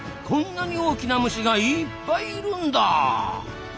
こんなに大きな虫がいっぱいいるんだ！